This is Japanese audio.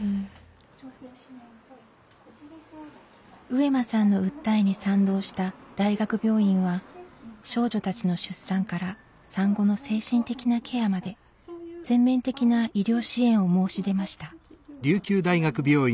上間さんの訴えに賛同した大学病院は少女たちの出産から産後の精神的なケアまで全面的な医療支援を申し出ました。